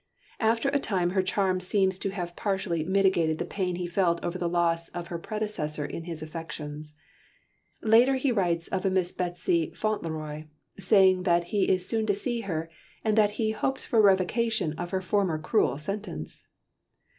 After a time her charm seems to have partially mitigated the pain he felt over the loss of her predecessor in his affections. Later he writes of a Miss Betsey Fauntleroy, saying that he is soon to see her, and that he "hopes for a revocation of her former cruel sentence."